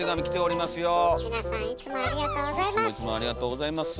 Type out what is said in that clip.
いつもいつもありがとうございます。